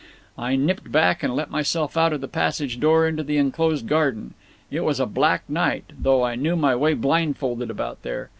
I nipped back and let myself out of the passage door into the enclosed garden. It was a black night, though I knew my way blindfolded about there.